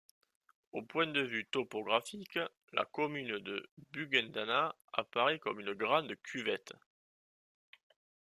Au point de vue topographique, la commune de Bugendana apparaît comme une grande cuvette.